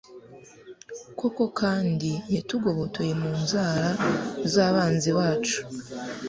koko kandi, yatugobotoye mu nzara z'abanzi bacu